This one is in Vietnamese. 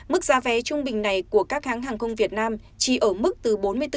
mức giá vé trung bình này của các hãng hàng không việt nam chỉ ở mức từ bốn mươi bốn